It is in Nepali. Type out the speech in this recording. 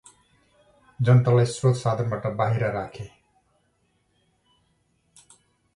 जनतालाई स्रोतसाधनबाट बाहिर राखे ।